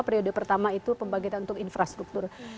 periode pertama itu pembangkitan untuk infrastruktur